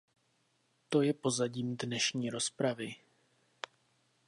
To je pozadím dnešní rozpravy.